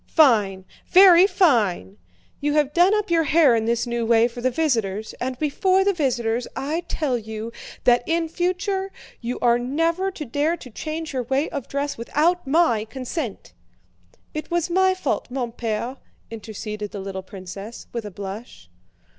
"Fine, very fine! You have done up your hair in this new way for the visitors, and before the visitors I tell you that in future you are never to dare to change your way of dress without my consent." "It was my fault, mon père," interceded the little princess, with a blush.